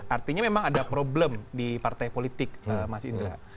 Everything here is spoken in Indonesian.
artinya memang ada problem di partai politik mas indra